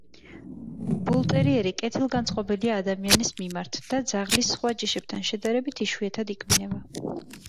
ბულტერიერი კეთილგანწყობილია ადამიანის მიმართ და ძაღლის სხვა ჯიშებთან შედარებით იშვიათად იკბინება.